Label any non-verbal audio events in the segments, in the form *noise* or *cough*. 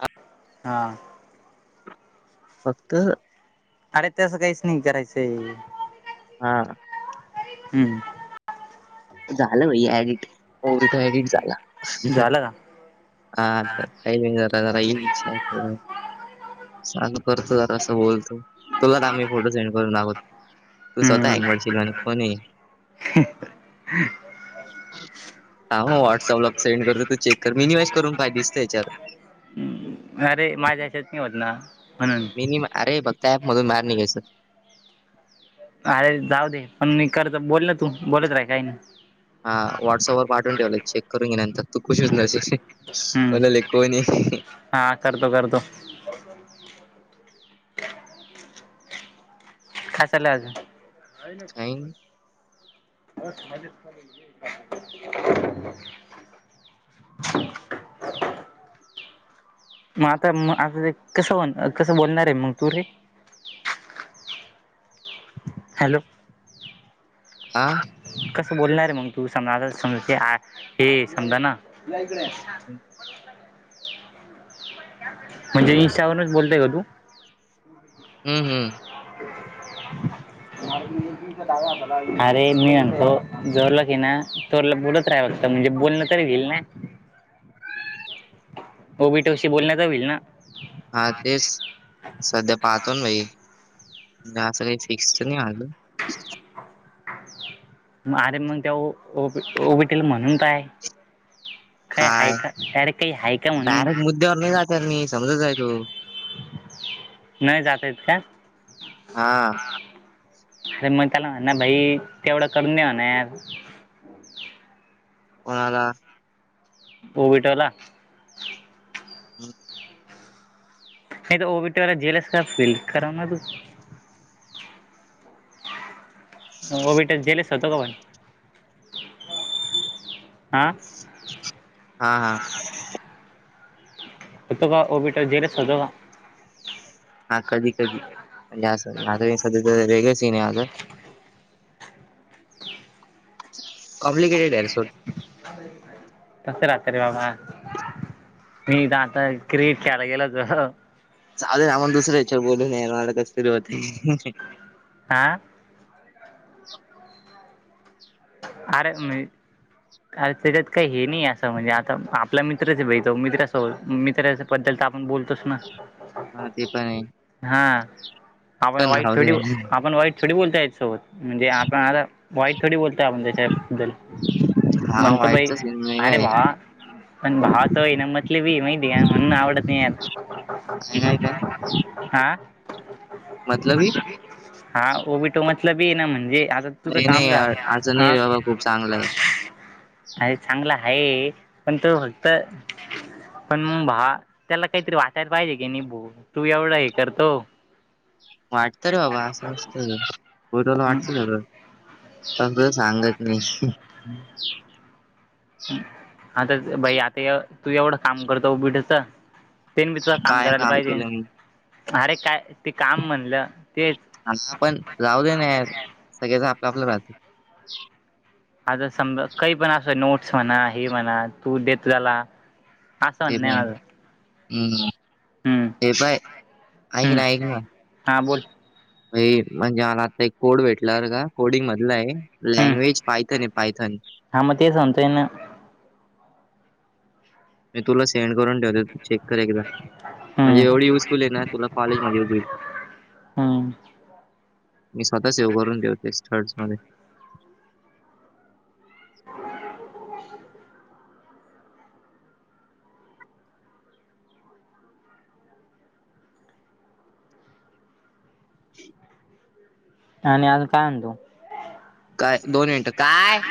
हा. हा. फक्त अरे तसं काहीच नाही करायचंय. हा. हम्म. झालं हो डिट हो तो एडिट झाला. झालं का हा *unintelligible* चालू करतो जर असं बोलतो. तुला आम्ही फोटो सेंड करून आकोत तू स्वतः हँग म्हशील कोणी. ह. हा हो व्हॉट्सअपला सेंड करत तू चेक कर मिनिमाइज करून पाहि दिसत याच्यावर ् अरे माझ्या याच्यात नाही होत ना म्हणून मनी अेक्त प मधून बाहेर निघायचं. अरे जाऊ दे पण मी करत बोल ना तू बोलत राहि काही नाही. हा व्हॉट्सअप ववर पाठून ठेवलंय चेक करून घेल्यानंतर तू कुश हो. हम्म मन ले कोयणी. हा करतो करतो. *inaudible* खाय चाललाय आजून काय नही. आईंग ब माज *inaudible* म आता म आता ते कसं होणार कसं बोलणार आहे मंग तू रे. हॅलो. हा कसं बोलणार आहेे मग तू समजा आ समज हे समजा ना. या इकडे. *inaudible* *inaudible* म्हणजे इशावरनच बोलताय का तू हम्म हम्म. आरे मी म्हणतो हम्म जवर लाक्ष *inaudible* हे ना *unintelligible* तोला बोलत राहा बत म्हणजे बोलण तरी घेईल ना. ओबीटोशी बोलण्यातचा होईल ना. हा तेच सध्या पाहतो ना भाई. जा फिक्स नाही आजून. ग अरे मग त्या ओ ओ बी टी ल म्हणून पाय. खाय काय हाय का अरे काही हाई का म्हणून. घर नाही जात हे रे मी समजत जाय तु. नाही जात हे त का? हा. अरे मंग त्याला म्हना भाई तेवढं करून दे म्हणा यार. *inaudible* कोणाला? ओ विठला. हो *inaudible* नाही तर ओबीटी वाला झेलस *unintelligible* खराब फीलल कर ना तू. ओबीटल जेलस *unintelligible* शतगवण भाई हा. हा हा. होतो का ओबीटल जेलेस होतो का? हा कधी कधी म्हणजे असंता *unintelligible* स्यध्यात वेगळ सीन हे आहे आज कॉमप्लिकेटेड यार सोड. अ *inaudible* तस राहत रे बाबा मी इथ आता क्रिकेट खेळायला गेलो होतो. चालेल आपण दुसर्या याच्यावर बोलून *unintelligible* नाटक सतरी होतेय. आ. आरे मी अरे त्याच्यात काही हे नाही असं म्हणजे आता आपल्या मित्रच भेटतो मित्र अस मित्राच. *unintelligible* पण त्याल आपण बोलतोस ना. हा ते पण आहे. हा आपण पण वाईट राहू थोडी दे आपण वाईट थोडी बोलताय याच्या सोबत. म्हणजे आपण आता वाईट थोडी बोलतोय आपण त्याच्याबद्दल. हा म्हणत भाई वाईटचा सीन वेगळा आरे आहे भावा. पण भावाचं होई ना मतलबी माहिती का म्हणून आवडत नाही यार. काय काय का *inaudible* हा हा मतलबी ओबीटो मतलबी ना म्हणजे आता तुझं नाही नाही काम झाल यार असं नाही हा रे बाबा खूप चांगलं आहे *inaudible* आहे चांगला आहे पण तो फक्त. पण मग भा त्याला काहीतरी वाटायला पाहिजे की नाही भा तू एवढं हे करतो वाटत रे बाबा असं असत बरला वाटतं र त सांगत नाही आता बाई आता तू एवढं काम करत उ बीठच तेन मी तुला काम काय करायला पाहिजे केलं मी अरे काय ते काम म्हणलं तेच ह आपण राहले नाहीर सगळ्याच आपलं आपलं राहतं आता स काही पण असो नोट्स म्हणा हे म्हणा तू ेत झाला असं ते म्हणणं आहे माझं हम्म हम्म हे बाय ऐक हम्म ना ऐक ना हां बोल म्हणजे मला आता एक कोड भेटलावर का कोडिंग मधलं आहे हम्म लँग्वेज पायथन आहे पायथन हां मग ते संतन मी तुला सेंड करून ठेवते चेक कर एकदा हम्म म्हणजे एवढी युजफुल आहे ना तुला कॉलेजमध्ये होतय हम्म मी स्वतःचेव करून ठ देवतेर् मध्ये *inaudible* आणि आज काय आणतो काय दोन मिनिटं काय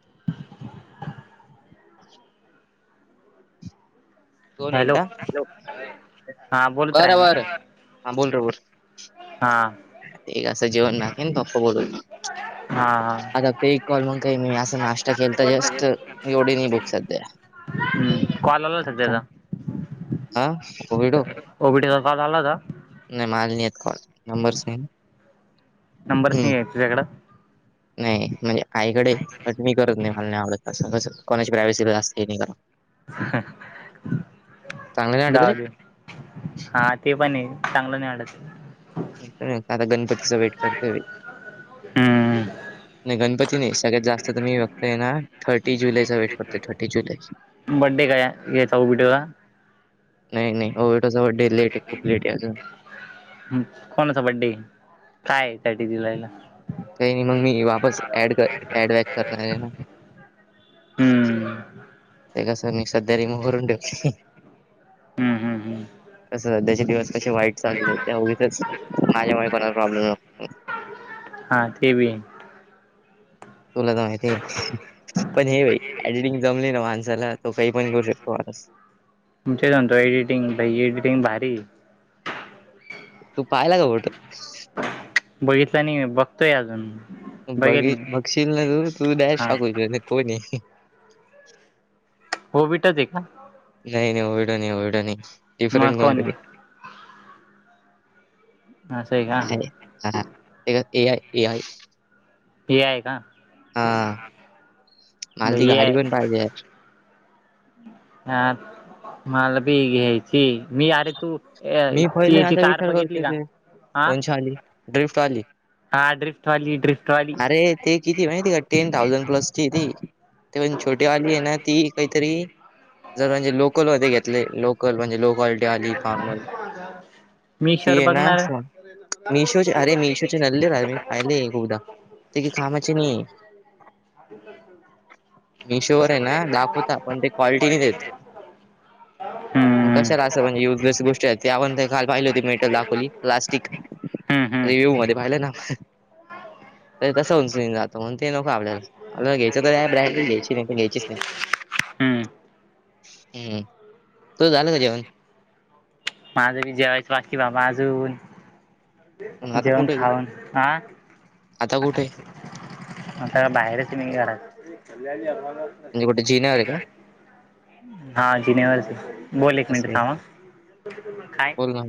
*inaudible* दोन हॅलो मिनिट हां बोलत राही बरं ना बर हा बोल बोल हा ते असं जेवण राखेन तप्प बून हां हां आता ते कलमण काही नाही असं नाश खेळता जस्ट एवढे नि बुक सध्या हम्म कॉलला नाश्ता सध्याचा हा कोविडो ओबीटीचा काल आलाता नाही मालनीयत कॉल नंबर नंबरच नाही आहे तुझ्याकडं नाही म्हणजे आईकडे क मी करत नाही घाल नाही आवडत अससं कस कॉलेज प्रायव्सी जास्त नाही चांगलं नाही वाटत रे जावज हा ते पण आहे चांगलं नाही आडत आता गणपतीचा वेट करत हम्म नाही गणपती नाही सगळ्यात जास्त तर मी वघत आहे ना थर्टी जुलै चा वेट करतो थर्टी जुलै बड्डे काय याचाऊ बिटला नाही नाही ओटोचा बडडे लेट आहे खूप लेट आहे अजून कोणाचा बड्डे काय यासाठी जुलैला काही नाही मग मी वापस ड कर ऍड बॅक करणार आहे ना हम्म ते कसं मी सध्या रेमोव्ह भरून ठेवले हम् हम् हम कसं सध्याचे दिवस कसे वाईट चालली स त्यागीच माझ्यामुळे कोणाला प्रॉब्लेम नो हा ते भी तुला जा ते पण हे बाईडिटिंग जमली ना माणसाला तो काही पण करू शकतो माणस तणच्या सांतो एडिटींग भा एडिटींग भारी तू पाहिला का बोट बघितलं आणि बघतोय अजून बघ बघेल मी बघशील तू तू दडश हा शकू कोणी हो भेटत आहे का नाही नाही ओवडं नाही ढं नाही मग डिफरंट कोण कोणतरी आहे असं आहे का एआ एआय ए आय का मला ती एय गाडी पण पाहिजे यार. हा मला बी घ्यायची मी अर तू मी पहिले याची आता कार विचार बघितली करतोय का ते हा कोणची आली ड्रिफ्ट आली हा ड्रिफ्ट वाली ड्रिफ्ट वली अरे ते किती म्हहि त का टेन थाउजंड प्लसची ती ते पण छोटी आली आहे ना ती काहीतरी जर म्हणजे लोकल होते घेतले लोकल म्हणजे लो क्वालिटी आली नॉर्मल मीशर ती आहे ना बघणार स- *unintelligible* मिशोचे अरे मिशोचे नल्ले राहिले मी पाहिले खूपदा ते की कामाचे नाही मिशोवर उशावर आहे ना दाखवता पण ते पा क्वालिटी नाही देत मग कशालां म्हणज युज गोष्टी त्या आपण काल पाहिली हो मेटरल दाखवली प्लास्टिक हम्म हम्म रिव्ह्यू मध्ये पाहिलं ना त तसं उंचन जातं म्हण ते नको आपल्याला अ घ्यायं तर ह ब्रँड घ्यायची नाही का घ्यायच नाही हम्म हम्म तू झालं का जेवण माझं बी जेवायचं वाट की बाबा अजून मग आता जेवण कुठे आहे तू खाऊन हा आता कुठे आहे म त्या बाहेरच मे घरा तन म्हणजे कुठे जिन्यावर आहे का हा जिनेव बोल एक असं मिनिट आहे थांमा काय बोल ना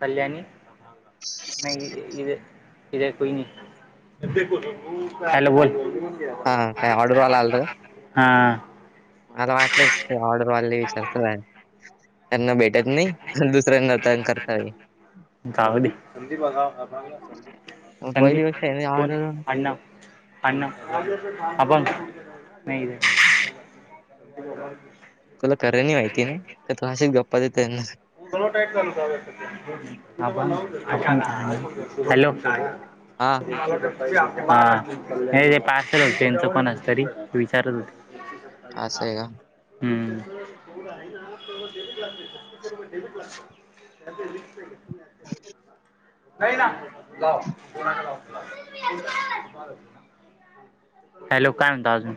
कल्याणी इद को न हॅलो बोल हा काय ऑर्डरवाला आलं. हा आला वाटलं र्डर वा विचारत त्यांना भेट त नाही दुसऱ्यां करताई गावडी संदीप गा मग संदीप पहिली गोष्ट आहे ना संदीपन ऑर्डर अणा अन अप नाही *unintelligible* तुला करायनी माहिती ना तलाशीच गप्पा देतना ां हॅलो हा हा नाही ते पास हो त्यांचं कोण अस तरी विचारत होते असं आहे का हम्म *unintelligible* *unintelligible* नाही ना जाव कोणा तुठी आहे हॅलो काय म्हणतो अजून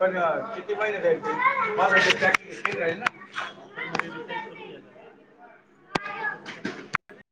पण कितीहि म टॅकर ना हा